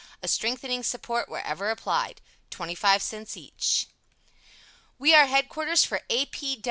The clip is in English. A strengthening support wherever applied. 25c each We are headquarters for A.